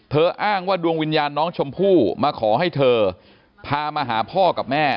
อ้างว่าดวงวิญญาณน้องชมพู่มาขอให้เธอพามาหาพ่อกับแม่